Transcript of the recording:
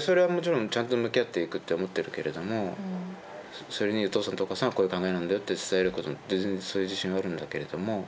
それはもちろんちゃんと向き合っていくって思ってるけれどもそれに「お父さんとお母さんはこういう考えなんだよ」って伝えることだって全然そういう自信はあるんだけれども。